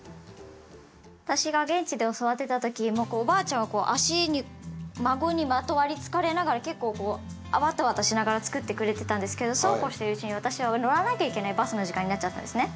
私が現地で教わってた時おばあちゃんは足に孫にまとわりつかれながら結構こうワタワタしながらつくってくれてたんですけどそうこうしてるうちに私は乗らなきゃいけないバスの時間になっちゃったんですね。